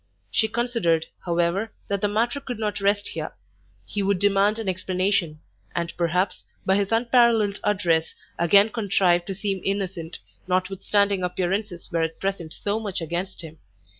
She considered, however, that the matter could not rest here: he would demand an explanation, and perhaps, by his unparalleled address, again contrive to seem innocent, notwithstanding appearances were at present so much against him.